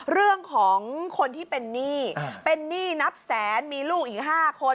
เรื่องของคนที่เป็นหนี้เป็นหนี้นับแสนมีลูกอีก๕คน